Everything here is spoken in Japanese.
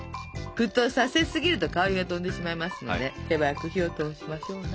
沸騰させすぎると香りが飛んでしまいますので手早く火を通しましょうな。